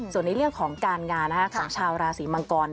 ส่วนในเรื่องของการงานของชาวราศีมังกร